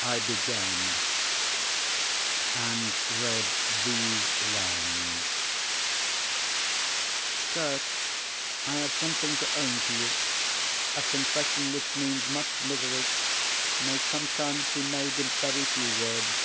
I began—and read these lines: "Sir—I have something to own to you. A confession which means much misery, may sometimes be made in very few words.